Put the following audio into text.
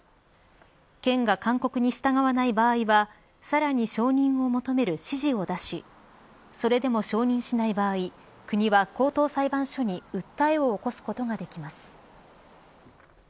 県が勧告に従わない場合はさらに承認を求める指示を出しそれでも承認しない場合国は高等裁判所に訴えを起こすことができます。